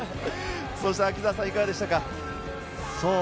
秋澤さん、いかがでしたか？